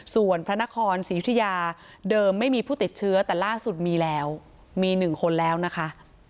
ส่วนพระนครศรียุธิยาเดิมไม่มีผู้ติดเชื้อแต่ล่าสุดมีแล้วมี๑คนแล้วนะคะ